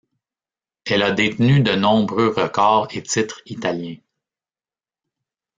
Elle a détenu de nombreux records et titres italiens.